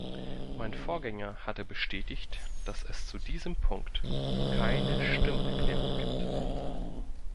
Mein Vorgänger hatte bestätigt, dass es zu diesem Punkt keine Stimmerklärung gibt.